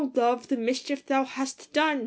LOVE ! the mischief thou hast done !